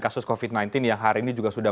kasus covid sembilan belas yang hari ini juga sudah